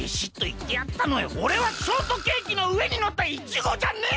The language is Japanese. おれはショートケーキのうえにのったイチゴじゃねえ！